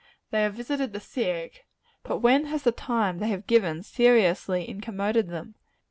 They have visited the sick: but when has the time they have given, seriously incommoded them?